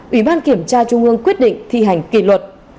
ủy ban kiểm tra trung ương quyết định thi hành kỷ luật